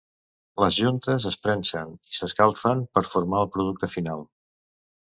Les juntes es premsen i s'escalfen per formar el producte final.